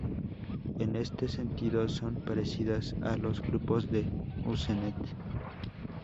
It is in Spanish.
En este sentido, son parecidas a los grupos de Usenet.